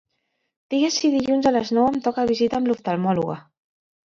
Digues si dilluns a les nou em toca visita amb l'oftalmòloga.